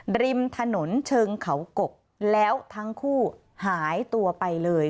ริมถนนเชิงเขากกแล้วทั้งคู่หายตัวไปเลย